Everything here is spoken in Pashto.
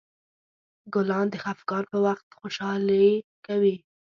ګلان د خفګان په وخت خوشحالي ورکوي.